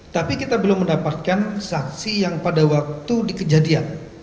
tapi kita belum mendapatkan saksi yang pada waktu di kejadian